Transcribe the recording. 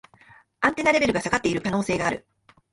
アンテナレベルが下がってる可能性がある